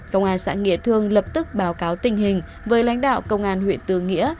công an xã nghĩa thương lập tức báo cáo tình hình với lãnh đạo công an huyện tư nghĩa